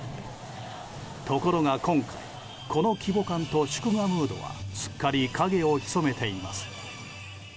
ところが今回、その規模感と祝賀ムードはすっかり影を潜めています。